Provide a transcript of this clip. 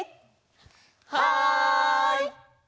はい！